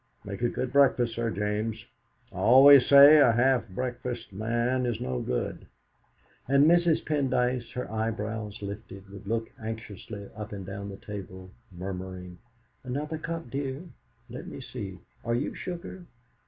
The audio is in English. Make a good breakfast, Sir James; I always say a half breakfasted man is no good!" And Mrs. Pendyce, her eyebrows lifted, would look anxiously up and down the table, murmuring: "Another cup, dear; let me see are you sugar?"